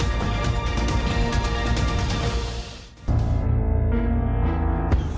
ดูเวลาบริเวณหน้า๗